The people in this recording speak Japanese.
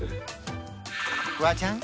フワちゃん